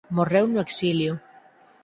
Morreu no exilio.